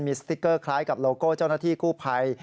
สติ๊กเกอร์คล้ายกับโลโก้เจ้าหน้าที่กู้ภัย